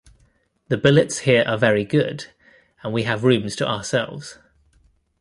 The billets here are very good and we have rooms to ourselves.